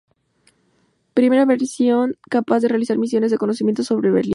Primera versión capaz de realizar misiones de reconocimiento sobre Berlín.